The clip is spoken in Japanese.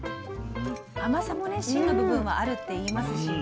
甘さも芯の部分はあるっていいますしね。